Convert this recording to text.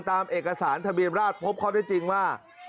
ตามเอกสารทะเบียนราชพบข้อได้จริงว่า